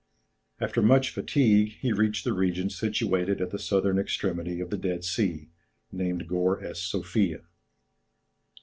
After much fatigue, he reached the region situated at the southern extremity of the Dead Sea, named Gor es Sophia.